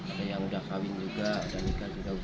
ada yang udah kawin juga ada yang udah nikah juga